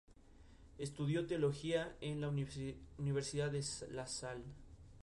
Dicha maniobra de emergencia es practicada para evitar incursiones en pista.